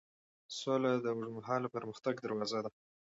سوله د اوږدمهاله پرمختګ دروازه ده.